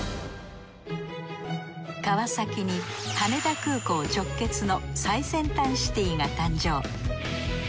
川崎に羽田空港直結の最先端シティが誕生。